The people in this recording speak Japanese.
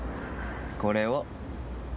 これを。